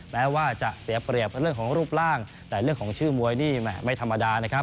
แม้ว่าจะเสียเปรียบเรื่องของรูปร่างแต่เรื่องของชื่อมวยนี่ไม่ธรรมดานะครับ